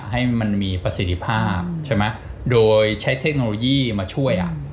ให้มันมีประสิทธิภาพใช่ไหมโดยใช้เทคโนโลยีมาช่วย